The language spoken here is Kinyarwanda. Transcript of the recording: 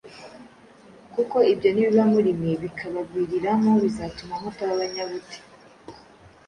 Kuko ibyo nibiba muri mwe, bikabagwiriramo, bizatuma mutaba abanyabute